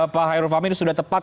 pak khairul fahmi ini sudah tepat